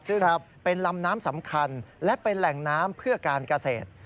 ซึ่งเป็นลำน้ำสำคัญและเป็นแหล่งน้ำเพื่อการเกษตร